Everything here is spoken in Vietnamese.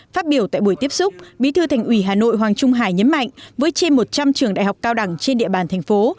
phát biểu tại buổi tiếp xúc bí thư thành ủy hà nội hoàng trung hải nhấn mạnh với trên một trăm linh trường đại học cao đẳng trên địa bàn thành phố